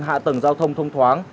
hạ tầng giao thông thông thoáng